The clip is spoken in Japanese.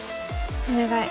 お願い。